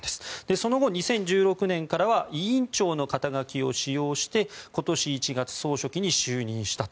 その後、２０１６年からは委員長の肩書を使用して今年１月に総書記に就任したと。